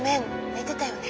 寝てたよね？